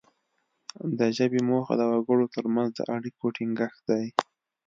د ژبې موخه د وګړو ترمنځ د اړیکو ټینګښت دی